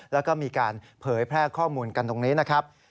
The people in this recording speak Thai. แล้วก็มีการเผยแพร่ข้อมูลกันตรงนี้นะครับ